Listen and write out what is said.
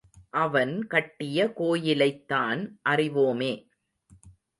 அவன் கட்டிய கோயிலைத்தான் அறிவோமே.